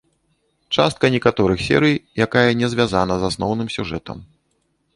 Частка некаторых серый, якая не звязана з асноўным сюжэтам.